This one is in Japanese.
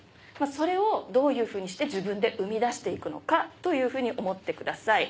それをどういうふうにして自分で生み出して行くのかというふうに思ってください。